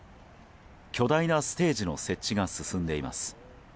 巨大なステージの設置が進んでいます。